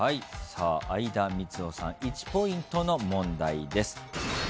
相田みつをさん１ポイントの問題です。